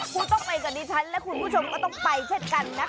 คุณต้องไปกับดิฉันและคุณผู้ชมก็ต้องไปเช่นกันนะคะ